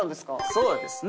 そうですね。